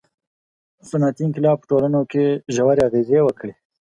• صنعتي انقلاب په ټولنو ژورې اغېزې وکړې.